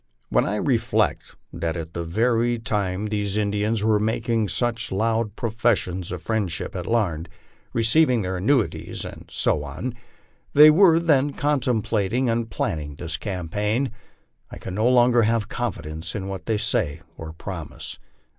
When I reflect that at the very tune these Indians were making such loud pro fessions of friendship at Larned, receiving their annuities, etc., they were then contemplating and planning this campaign, I can no longer have confidence in what they say or promise.